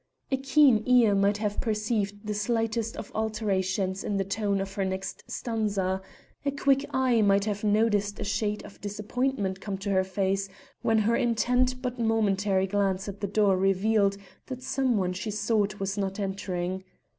A keen ear might have perceived the slightest of alterations in the tone of her next stanza; a quick eye might have noticed a shade of disappointment come to her face when her intent but momentary glance at the door revealed that some one she sought was not entering.